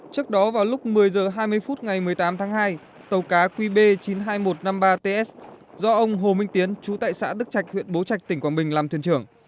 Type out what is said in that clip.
trước đó vào lúc một mươi h hai mươi phút ngày một mươi tám tháng hai tàu cá qb chín mươi hai nghìn một trăm năm mươi ba ts do ông hồ minh tiến chú tại xã đức trạch huyện bố trạch tỉnh quảng bình làm thuyền trưởng